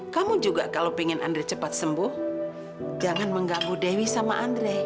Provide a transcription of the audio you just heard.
kamu juga kalau pengen andre cepat sembuh jangan mengganggu dewi sama andre